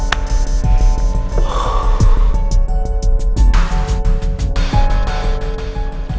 kasian banget rifki